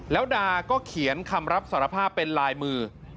แล้วดาก็เขียนคำรับสารภาพเป็นลายมือ